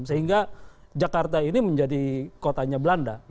sehingga jakarta ini menjadi kotanya belanda